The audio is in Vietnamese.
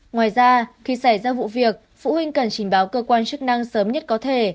ngoài ra khi xảy ra vụ việc phụ huynh cần trình báo cơ quan chức năng sớm nhất có thể